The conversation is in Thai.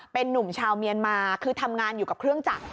เป็นนุ่มชาวเมียนมาคือทำงานอยู่กับเครื่องจักร